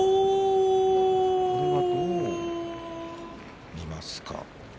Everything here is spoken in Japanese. これはどう見ますか。